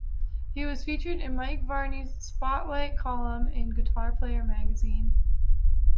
He was featured in Mike Varney's "Spotlight" column in Guitar Player magazine.